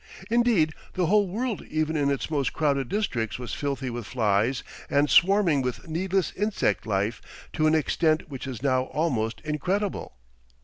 Indeed, the whole world even in its most crowded districts was filthy with flies and swarming with needless insect life to an extent which is now almost incredible.